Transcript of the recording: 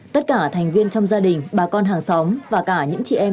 tất cả thành viên trong gia đình bà con hàng xóm và cả những chị em